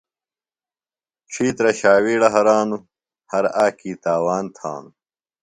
ڇھیترہ شاویڑہ ہرانوۡ، ہر آکی تاوان تھانوۡ